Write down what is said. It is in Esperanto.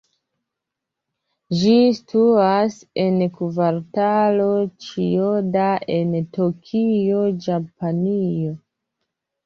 Ĝi situas en Kvartalo Ĉijoda en Tokio, Japanio.